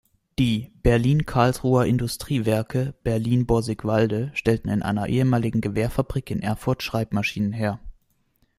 Die "Berlin-Karlsruher Industrie Werke" Berlin-Borsigwalde stellten in einer ehemaligen Gewehrfabrik in Erfurt Schreibmaschinen her.